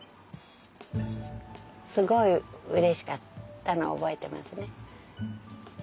すごいうれしかったのを覚えてますね。